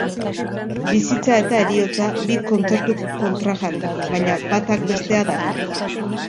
Bizitza eta heriotza, bi kontzertu kontrajarri, baina batak bestea dakar.